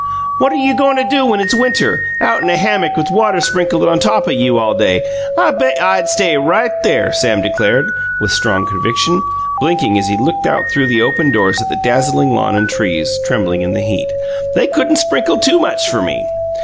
"What you goin' to do when it's winter, out in a hammock with water sprinkled on top o' you all day? I bet you " "I'd stay right there," Sam declared, with strong conviction, blinking as he looked out through the open doors at the dazzling lawn and trees, trembling in the heat. "They couldn't sprinkle too much for ME!"